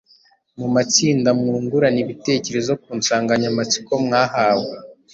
Mu matsinda mwungurane ibitekerezo ku nsanganyamatsiko mwahawe